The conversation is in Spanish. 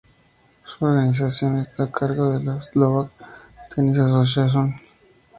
Su organización está a cargo de la Slovak Tennis Association.